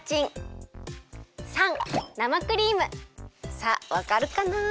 さあわかるかな？